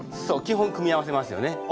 そう基本組み合わせますよね。